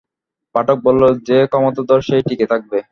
পাঠক বলল, যে ক্ষমতাধর সেই টিকে থাকবে।